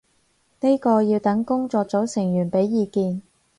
呢個要等工作組成員畀意見